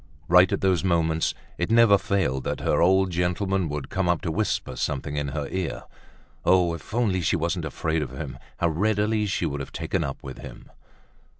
Right at those moments, it never failed that her old gentleman would come up to whisper something in her ear. Oh, if only she wasn't afraid of him, how readily she would have taken up with him.